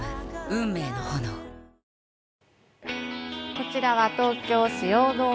こちらは東京・汐留。